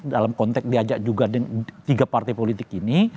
dalam konteks diajak juga tiga partai politik ini